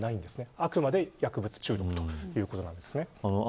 あくまで薬物中毒ということです。